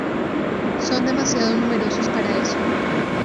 Son demasiado numerosos para eso.